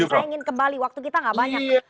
saya ingin kembali waktu kita gak banyak